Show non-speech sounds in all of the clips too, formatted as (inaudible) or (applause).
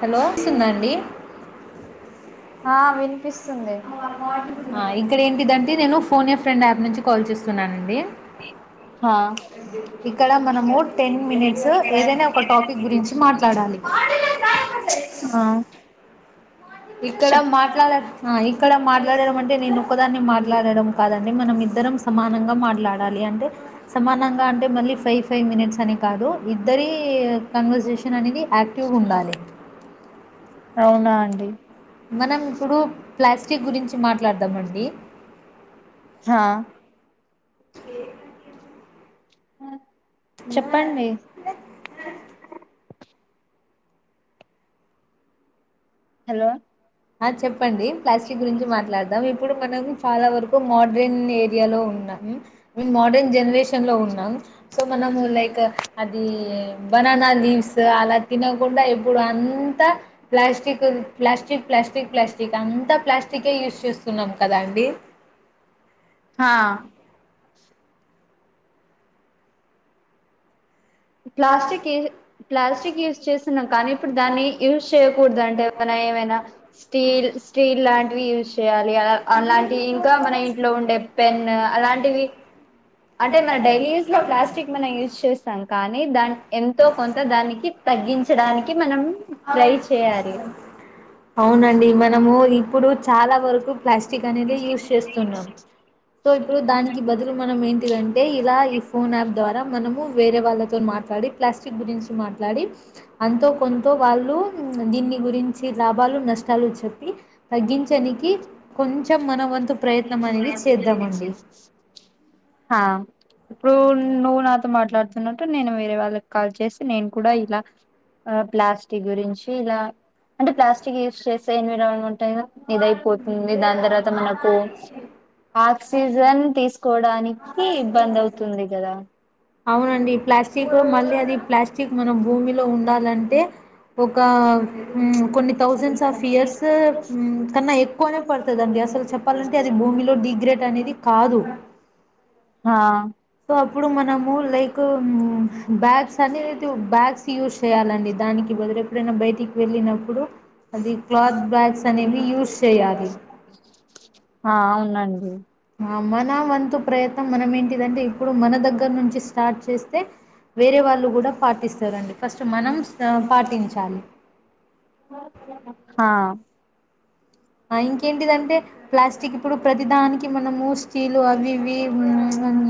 Hello సున్నా అండి ఆ వినిపిస్తుంది ఇ నేను ఫోన్ ఏ ఫ్రండ్ యాప్ నుంచి కాల్ చేస్తున్నాను. అండి హా ఇక్కడ మనము టెన్ మినిట్స్ ఏదైనా ఒక టాపిక్ గురించి మాట్లాడాలి ఆ ఇక్కడ చెప్ మాట్లాడ ఇక్కడ మాట్లాడడం. అంటే నేను ఒకదాన్ని మాట్లాడడం కాదండి. మనం ఇద్దరం సమానంగా మాట్లాడాలి. అంటే సమానం గా అంటే మళ్ళీ ఫైవ్ ఫైవ్ మినిట్స్ అని కాదు. ఇద్దరి కన్వర్సేషన్ అనేది యాక్టివ్గా ఉండాలి. ఏం మనం ఇప్పుడు ప్లాస్టిక్ గురించి మాట్ లాడద్దామండి. హా ఆ హలో ఆ చెప్పండి ప్లాస్టిక్ గురించి మాట్లాడదాం ఇప్పుడు మనం చాలా వరకు మోడ్రన్ ఏరియాలో ఉన్నాం. మేం మోడ్రన్ జనరేషన్ లో ఉన్నాం. సో మనము లైక్ అది బనానా లీవ్స్ అలా తినకుండా ఇప్పుడు అంతా ప్లాస్టిక్ ప్లాస్టక్ ప్లాస్టిక్ ప్లాస్టిక్ అంతా ప్లాస్టికే యూస్ చేస్తున్నాం. కదా అండి హా ప్లాస్టిక్ ప్లాస్టిక్ యూస్ చేస్తున్నం. కానీ ఇప్పుడు దాన్ని యూజ్ చేయకూడదు. అంటే మన ఏమైనా స్టీల్ స్టీల్ లాంటివి యూజ్ చేయాలి. అ అలాంటివి ఇంకా మన ఇంట్లో ఉండే పెన్ అలాంటివి. అంటే మన డైలీ యూస్ లో ప్లాస్టిక్ మనం యూజ్ చేస్తాం. కానీ ఎంతో కొంత దానికి తగ్గించడానికి మనం ట్రై చేయాలి. అవునండి మనము ఇప్పుడు చాలా వరకు ప్లాస్టిక్ అనేది యూస్ చేస్తున్నాం. సో ఇప్పుడు దానికి బదులు మనం ఏంటిదంటే ఇలా ఈ ఫోన్ యాప్ ద్వారా మనము వేరే వాళ్ళతో మాట్ ట్లాడి ప్లాస్టిక్ గురించి మాట్లాడి అంతో కొంతో వాళ్ళు దీన్ని గురించి లాభాలు నష్టాలు చెప్పి తగ్గించనికి కొంచెం మన వంతు ప్రయత్నం అనేది చేద్దామండి. ఆ ఇప్పుడు నువ్వు నాతో మాట్లాడుతున్నట్టు నేను వేరే వాళ్ళకి కాల్ చేసి నేను కూడా ఇలా ఆ ప్లాస్టిక్ గురించి ఇలా అంటే ప్లాస్టిక్ యూస్ చేసి ఎన్విరాల్మెంట్ ట్ ఇదయిపోతుంది. దాని తర్వాత మనకు ఆక్సిజన్ తీస్ కోవడానికి ఇబ్బంది అవుతుంది. గాదా అవునండి ప్లాస్ చీపురు మళ్ళీ అది ప్లాస్టిక్ మనం భూమిలో ఉండాలంటే ఒక కొన్ని థౌజండ్స్ ఆఫ్ ఇయర్స్ కన్నా ఎక్కువనే పడుతుందిండి అసలు చెప్పాలంటే అది భూమిలో డిగ్రేట్ అనేది కాదు హా సో అప్పుడు మనము లైక్ బ్యాగ్స్ అనేది బ్యాగ్స్ యూస్ చేయాలండి దానికి వదిలే ఎప్పుడైనా బయటికి వెళ్ళినప్పుడు అది క్లాత్ బ్యాగ్స్ అనేవి యూజ్ చేయాలి ఆ అవునండి ఉమ్ ఆ, మన వంతు ప్రయత్నం మనం ఏంటిదంటే ఇప్పుడు మన దగ్గర నుంచి స్టార్ట్ చేస్తే వేరే వాళ్ళు కూడా పాటిస్తారండి ఫస్ట్ మనం పాటించాలి ఆ ఇంకేంటిదంటే ప్లాస్టిక్ ఇప్పుడు ప్రతిదానికి మనము స్టీలు అవి ఇవి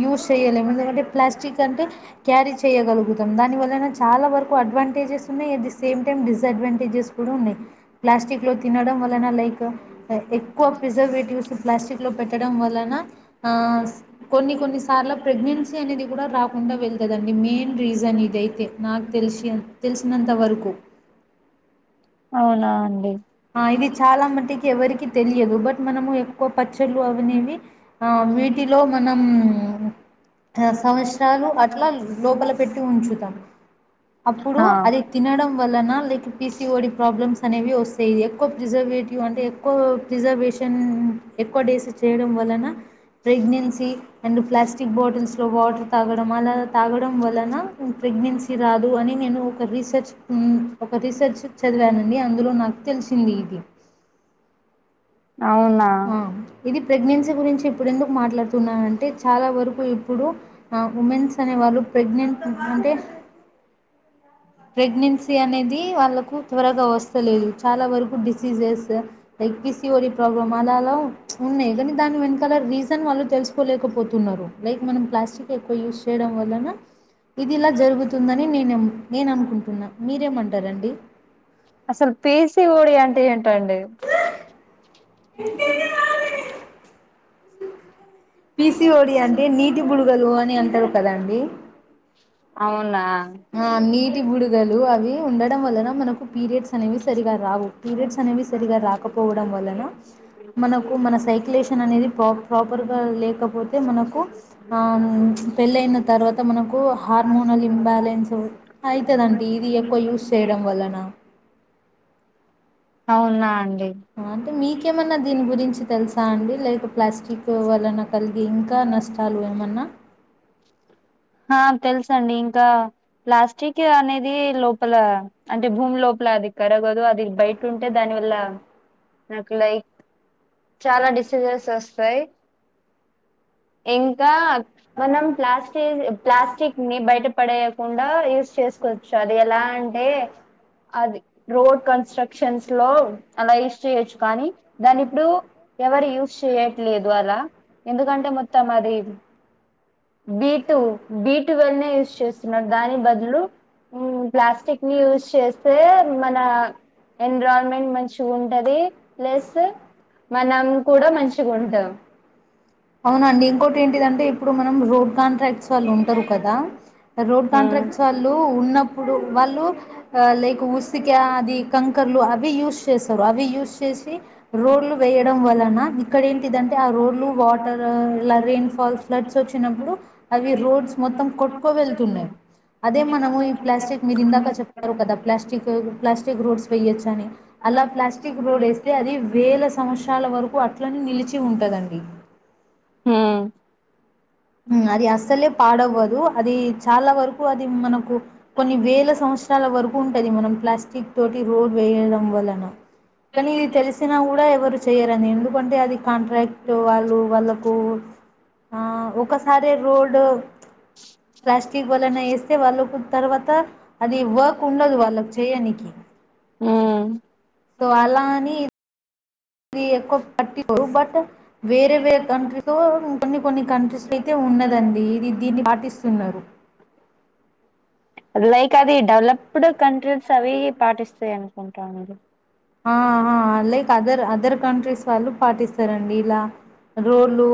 యూస్ చేయలేము ఎందుకంటే ఇక్కంటిదంటే ప్లాస్టిక్ ఇప్పుడు ప్రతిదానికి మనము స్టీల్ అవి ఇవి ప్లాస్టిక్ అంటే క్యారీ చేయగలుగుతాం దాని వలన చాలా వరకు అడ్వాంటేజెస్ ఉన్నాయి at the same time dis advantages కూడా ఉన్నాయి ప్లాస్టిక్ లో తినడం న లైక్ కా ఎక్కువ ప్రిజర్వేటివ్స్ ప్లాస్టిక్ లో పెట్టడం వలన కొన్ని కొన్ని సార్లు ప్రెగ్నెన్సీ అనేది కూడా రాకుండా వెళ్తుందిండి మెయిన్ రీజన్ ఇదయితే నాకు తెలిసి తెలిసినంత వరకు అవునా అండి ఆ ఇది చాలా మటుకు ఎవరికి తెలియదు బట్ మనము ఎక్కువ పచ్చళ్ళు అవనేవి వీటిలో మనం సంవత్సరాలు అట్లా లోపల పెట్టి ఉంచుతాం అప్పుడు ఆ అది తినడం వలన లైక్ పీసీఓడి ప్రాబ్లమ్స్ అనేవి వస్తాయి ఇది ఎక్కువ ప్రిజర్వేటివ్ అంటే ఎక్కువ ప్రిజర్వేషన్ ఎక్కువ డిసెస్ చేయడం వలన ప్రెగ్నెన్సీ అండ్ ప్లాస్టిక్ బాటిల్స్లో వాటర్ తాగడం అలా తాగడం వలన ప్రెగ్నెన్సీ రాదు అని నేను ఒక రీసెర్చ్ ఒక రీసెర్చ్ చదివానండి అందులో నాకు తెలిసింది ఇది అవునా ఆ! ఇది ప్రెగ్నెన్సీ గురించి ఇప్పుడుెందుకు మాట్లాడుతున్నంటే చాలా వరకు ఇప్పుడు ఉమెన్స్ అనే వాలు ప్రెగ్నెంట్ అంటే ప్రెగ్నెన్సీ అనేది వాళ్కు త్వరగా వస్తలేదు చాలా వరకు డిసీజెస్ లైక్ పిసిఓడి ప్రాబ్ల మాదలో ఉన్నె కనీ దాన్ని వె కల రీజన్ వాళ్ళు తెలుసుకోలేకపోతున్నారు లైక్ మనం ప్లాస్టిక్ ఎక్కువ యూజ చేయడం వలన ఇది ఇలా జరుగుతుందని నేను నేను అనుకుంటున్నా మీరేమంటారంండి అసలు పీసి ఓడి అంటే ఏంటండి (unintelligible) పీసి ఓడి అంటే నీటి బుడుగలు అని అంటారు కదా అండి అవునా ఆ నీట్ టి బుడుగలు అవి ఉండడం వలన మనకు పీరియడ్స్ అనేవి సరిగా రావు పీరియడ్స్ అనేవి సరిగా రా పోవడం వలన మనకు మన సైక్లేషన్ అనేది ప్రిపేర్ గా లేకపోతే మనకు ఆ పెళ్ళి అయిన తర్వాత మనకు హార్మోనల్ ఇన్బాలెన్స్ అయ్యితదండి ఇది ఎక్కువ యూస చేయడం వలన అవునాండి అంటే మీకేమన్నా దీని గురించి తెలుసా అండి లైక్ ప్లాస్టిక్ వలన కలిగే ఇంకా నష్టాలు ఏమన్నా తెలుస అండి ఇంకా ప్లాస్టిక్ అనేది లోపల అంటే భూమి లోపల అది కరగదు అది బయట టే దాని వల్ల నాకు లైక్ చాలా డిసజెస్ వస్తాయి ఇంకా మనం ప్లాస్టి ప్లాస్టిక్ ని బయట పడేయకుండా యూస్ చేసుకోవచ్చు అది ఎలా అంటే అది రోడ్ కన్స్ట్ర (unintelligible) లో అలా యూస్ చేయొచ్చు కానీ దాని ఇప్పుడు ఎవరు యూస్ చేయట్లేదు అలా ఎందుకంటే మొత్తం అది బీ టూ బి టూ వల్నే యూజ్ చేస్తున్నారు దాని బదులు ప్లాస్టిక్ ని యూజ్ చేస్తే మన ఎన్విరాన్మెంట్ మంచిగా ఉంటది ప్లస్ మనం కూడా మంచిగా ఉంటాం అవునండి ఇంకోటి ఏంటిదంటే ఇప్పుడు మనం రోడ్ కాంట్రాక్ట్ వాళ్ళు ఉంటారు కదా రోడ్ హ్మ్ కాంట్రాక్ట్స్ వాళ్ళు ఉన్న ఇప్పుడు వాళ్ళు లైక్ (unintelligible) అది కంకర్లు అవి యూస చేస్తారు అవి యూస్ చేసి రోడ్లు వేయడం వలన ఇక్కడ ఏంటిదంటే ఆ రోడ్లు వా (unintelligible) ఫ్లడ్ వచ్చప్పుడు అ రోడ్స్ మొత్తం కొట్కో వెతున్నాయి అదే మన ప్లాస్టి మీరూ ఇందాక చెప్పారు కదా ప్లాస్క్ (unintelligible) వేయచ అని (unintelligible) (unintelligible) స్తే అది వేల సంవత్సర సంవత్సరాలు వరకు అట్లనే నిలిచి ఉంటుదండి హ్మ్ అది అస్సలే పాడవ్వదు అది చాలా వరకు అది మనకు కొన్ని వేల సంవత్సరాల వరకు ఉంటది మనం ప్లాస్టిక్ తోటి రోడ్ వేయడం వలన కానీ ఇది తెలిసినా కూడా ఎవరు చెయరుని ఎందుకంటే అది కాంట్రాక్ట్ వాళ్ళు వాళ్ళకు ఆ ఒకసారి రోడ్ ప్లాస్టిక్ వలన వేస్తే వాళ్ళకు తర్వాత అది వర్క్ ఉండదు వాళ్ళకి చేయనికి మ్మ్ సో, అలా అని ఇది ఎక్కువ (unintelligible) వేరే వేరే కంట్రీస్తో కొన్ని కొన్ని కంట్రీస్ అయితే ఉన్నదండి ఇది దీన్ని పాటిస్తున్నారు లైక్ అది డవలప్డ్ కంట్రీస్ అవి పాటిస్తాయి అనుకుంటాండి ఆ ఆ లైక్ అదర్ అదర్ కంట్రీస్ వాళ్ళు పాటిస్తారండి ఇలా రోడ్లు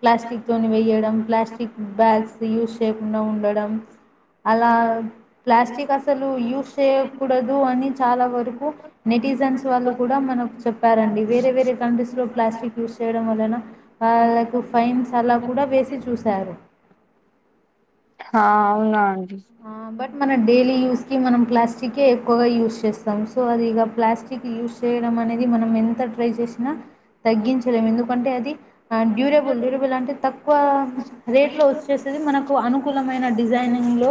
ప్లాస్టిక్ తోని వేయడం ప్లాస్టిక్ బ్యాగ్స్ యూస్ చేయకుండా ఉండడం అలా ప్లాస్టిక్ మీకు అసలు యూస్ చేయకూడదు అని చాలా వరకు నెటిజన్స్ వాళ్ళు కూడా మనకు చెప్పారండి వేరే వేరే కంట్రీస్ లో ప్లాస్టిక్ యూజ చేయడం వలన వాళ్ళకు ఫైన్స్ అలా కూడా వేసి చూసారు ఆ అవునా అం బ (inaudible) బట్ మన డైలీ యూజ్ కి మనం ప్లాస్టిక్ే ఎక్కువగా యూజ్ చేస్తాం సో అదిక ప్లాస్టిక్ యూస్ చేయడం అనేది మనం ఎంత ట్రై చేసినా తగ్గించలేము ఎందుకంటే అది డ్యూరబుల్ డ్యూరబుల్ అంటే తక్కువ రేట్లో వచ్చేసేది మనకు అనుకూలం (unintelligible) మైన డిజైనింగ్ లో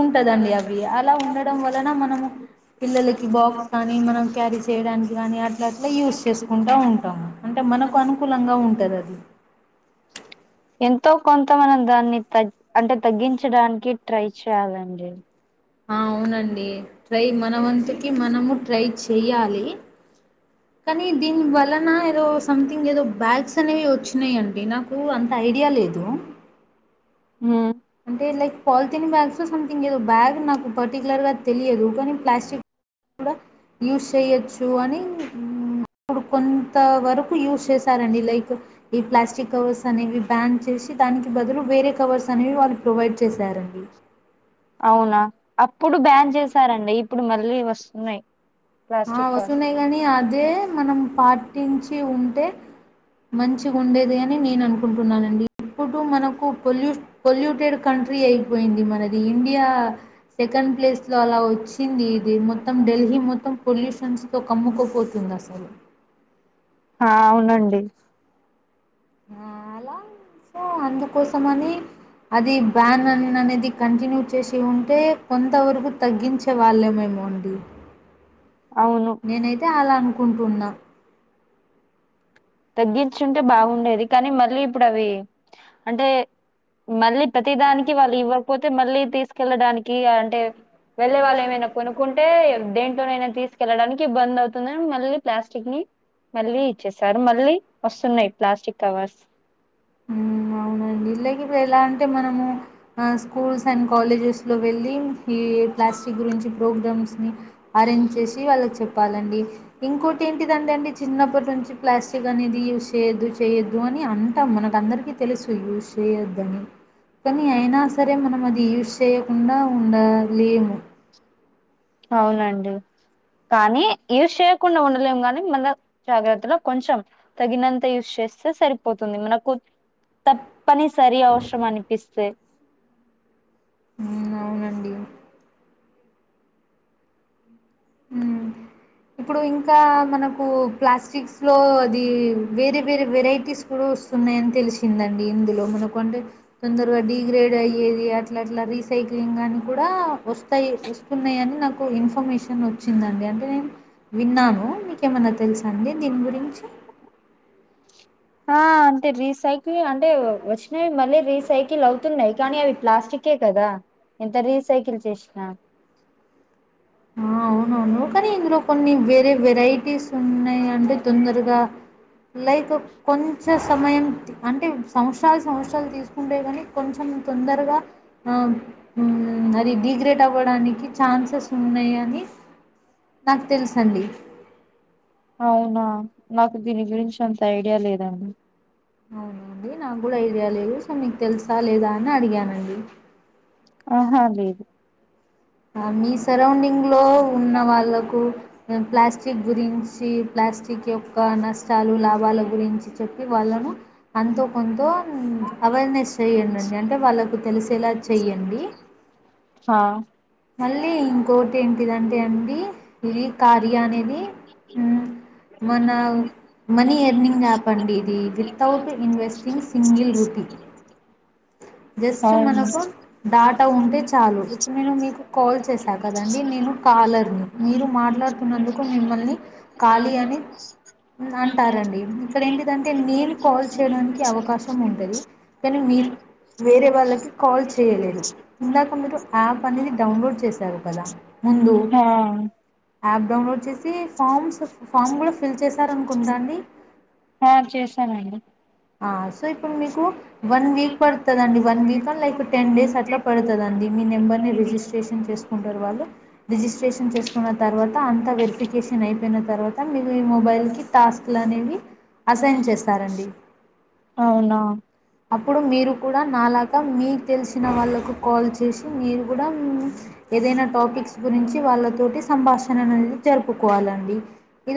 ఉంటదండి అవి లా ఉండడం వలన మనము పిల్లలకి బాక్స్ కానీ మనం క్యారీ చేయడానికి కానీ అట్లా అట్లా యూస్్ చేసుకుంటూ ఉంటాము అంటే మనకు అనుకూలంగా ఉంటుంది అది ఎంతో కొంత మనం దాన్ని తగ్ అంటే తగ్గించడానికి ట్రై చేయ్యాలండి అవునండి ట్రై మన వతుకి మనము ట్రై చెయ్యాలి కానీ దీని వలన ఏదో సంథింగ్ ఏదో బ్యాగ్స్ అనేవి వచ్చినాయిండి నాకు అంత ఐడియా లేదు హ్మ్ అంటే లైక్ పాలిథిన్ బ్యాగ్స్లో సథింగ్ ఏదో బ్యాగ్ నాకు పర్టిక్యలర్గా తెలియదు కానీ ప్లాస్టిక్ కూడా యూస్ చేయచ్చు అని ఇప్పుడు కొన్ని కొ వరకు యూజ్ చేశారండి లైక్ ఈ ప్లాస్టిక్ కవర్స్ అనేవి బ్యాన్ చేసి దానికి బదులు వేరే కవర్స్ అనేవి వాళ్ళ ప్రొవైడ్ చేశారండి అవునా అప్పుడు బ్యాన్ చేశారండి ఇప్పుడు మళ్ళీ లే వస్తున్నాయి ఆ ప్లాస్టిక్ కవర్స్ వసూన్నాయి కానీ అది అదే మనం పాటించి ఉంటే మంచిగ ఉండేది అని నేను అనుకు కుంటున్నాదండి ఇప్పుడు మనకు పొల్యూ పొల్యూటెడ్ కంట్రీ అయిపోయింది మనది ఇండియా సెకండ్ ప్లేస్లో అలా వచ్చింది ఇది మొత్తం ఢిల్లీ మొత్తం పొల్యూషన్స్ తో కమ్కుకుపోతుంది అసలు ఆ అవునండి అలా సో అందుకోసమని అది బ్యాన్ అని అనేది కంటిన్యూ చేసి ఉంటే కొంతవరకు తగ్గించే వాళ్ళేమేమో అండి అవును నేనైతే అాల అనుకు కుంటున్నా తగ్గించుంటే బాగుండేది కానీ మళ్ళీ ఇప్పుడు అవి అంటే మళ్ళీ ప్రతి దానికి వాళ్ళు ఇవ్వకపోతే మళ్ళీ తీసుకెళ్లడాని కీ అంటే వెళ్ళే వాళ్ళ ఏమైనా కొనుక్కుంటే దేంట్లోనైనా తీసుకెళ్ళడానికి బంద్ అవుతుంది మళ్ళీ ప్లాస్టిక్ ని మళ్ళీ ఇచ్చేసారు మళ్ళీ వస్తున్నాయ్ ప్లాస్టిక్ కవర్స్ ఊ అవునండి (unintelligible) ఎలా అంటే మనము ఆ స్కూల్స్ అండ్ కాలేజెస్లో వెళ్ళి ఈ ప్లాస్టిక్ గురించి ప్రోగ్రామ్స్ని అరేంజ్ చేసి వాళ్ళకి చెప్పాలండి ఇంకోటి ఏంటిదంటే అండి చిన్నప్పటి నుంచి ప్లాస్టిక్ అనేది యూజ్ చేయొద్దు చేయొద్దు అని అన్ మనకు అందరికీ తెలుసు యూస్ చేయొద్దని కానీ అయినా సరే మనం అది యూజ్ చేయకుండా ఉండాలేమో అవునండి కానీ యూస్ చేయకుండా ఉండలేము కానీ మన జాగ్రత్తలో కొంచెం తగినంత యూజ్ చేస్తే సరిపోతుంది మనకు తప్పని సరి అవసరం అనిపిస్తే హ్మ్ అవునండి. ఉమ్ ఇప్పుడు ఇంకా మనకు ప్లాస్టిక్స్ ఫలో అది వేరే వేరే వెరైటీస్ కూడా వస్తున్నాయని తెలిసిందండి ఇందులో మనకు అంటే తొందరగా డిగ్రేడ్ అయ్యేది అట్లా ఇలా రీసైక్లింగ్ అని కూడా వస్తు తయి వస్తున్నాయి అని నాకు ఇన్ఫర్మేషన్ వచ్చిందండి అ ఏం విన్నాను మీకేమన్నా తెలుసా అండి దీని గురించి ఆ అంతే రీసైక్ కిల్‌ అంటే వచ్చినవి మళ్ళీ రీసైకిల్ అవుతున్నాయ్ కానీ అవి ప్లాస్టికే కదా ఎంత రీసైకిల్ చేసిన ఓ అవునవును కానీ ఇందులో కొన్ని వేరే వెరైటీస్ ఉన్నాయి అంటే తొందరగా లైక్ కొంచె సమయం అంటే సంవత్సరాలు సంవత్సరాలు తీసుకుంటే కానీ కొంచెం తొందరగా అది డిగ్రేట్ అవు ప్పడానికి ఛాన్సెస్ ఉన్నయని నాకు తెలుసండి అవునా నాకు దీని గురించి అంత ఐడియా లేదండి అవునండి నాకు కూడా ఐడియా లేదు సో మీకు తెలుసా లేదా అని అడిగానండి ఆహా లేదు ఆ మీ సరౌండింగ్లో ఉన్న వాళ్ళకు ప్లాస్టిక్ గురించి ప్లాస్టిక్ యొక్క నష్టాలు లాభాల గురించి చెప్పి వాళ్ళను అంతో కొంతో అవేర్నెస్ చేయండండి అంటే వాళ్ళకు తెలిసేలా చేయండి హా మళ్ళీ ఇంకోటి ఏంటిదంటే అండి ఇది కారియా అనేది మన మనీ ఎర్నింగ్ యాప్ అండి ఇది వితౌట్ ఇన్వెస్టింగ్ సింగిల్ రుటీ జస్ట్ అవును మనకు డాటా ఉంటే చాలు ఇప్పుడు నేను మీకు కాల్ చేశాను కదండి నేను కాలర్ని మీరు మాట్లాడుతున్నందుకు మిమ్మల్ని ళీ అని అంటారండి ఇక్కడ ఏంటిదంటే నేను కాల్ చేయడానికి అవకాశం ఉంటుంది కానీ మీరు వేరే వాళ్ళకి కాల్ చేయలేరు ఇందాక మీరు యాప్ అనేది డౌన్లోడ్ చేశారు కదా ముందు హా యాప్ ౌలోడ్స్ ఫామ్స్ ఫామ్ ఫిల్ చే ఆ చేసానండి ఆ సో ఇప్పుడు మీకు వన్ వీక్ పడుతుందిండి వన్ వీక్ అ లైక్ టెన్ డేస్ అట్లా పడుతుందిండి మీ నెంబర్ని రిజిస్ట్రేషన్ చేసుకుంటారు వాళ్ళు రిజిస్ట్రేషన్ చేసుకున్న తర్వాత అంత వెరిఫికేషన్ అయిపోయిన తర్వాత మీరు ఈ మొబైల్కి టాస్క్లు అనేవి అసైన్ చేస్తారండి అవునా అప్పుడు మీరు కూడా నాలాగు ఎ మీ తెలిసిన వాళ్ళకు కాల్ చేసి మీరు కూడా ఏదైనా టాపిక్స్ గురించి వాళ్ళతోటి సంభాషణ అనేది జరుపుకోవాలండి ఇ